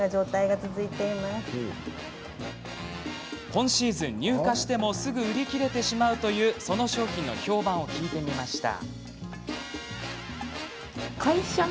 今シーズン、入荷してもすぐ売り切れてしまうというその商品の評判を聞いてみました。